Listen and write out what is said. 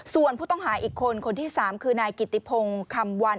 ส่วนผู้ต้องหาอีกคนคนที่๓คือนายกิติพงศ์คำวัน